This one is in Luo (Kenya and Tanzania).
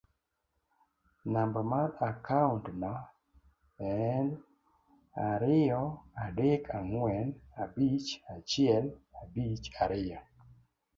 namba mar akaont na: egx ariyo adek ang'wen abich achiel abich ariyo